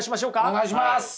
お願いします。